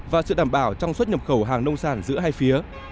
và sự đảm bảo trong xuất nhập khẩu hàng nông sản giữa hai phía